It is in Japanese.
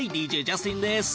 ＤＪジャスティンです。